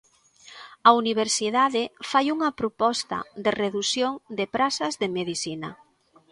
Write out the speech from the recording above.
A Universidade fai unha proposta de redución de prazas de Medicina.